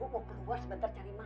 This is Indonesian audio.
ibu kan punya teman